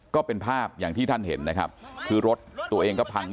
ก็เป็นภาพอย่างที่ท่านเห็นนะครับคือรถตัวเองก็พัง